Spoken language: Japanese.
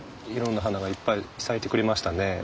いろんな花がいっぱい咲いてくれましたね。